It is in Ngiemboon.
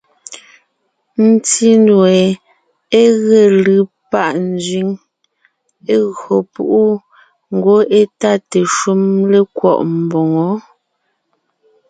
Ńtí nue é ge lʉ́ pâ nzẅíŋ, é gÿo púʼu, ngwɔ́ étáte shúm lékwɔ́ʼ mboŋó.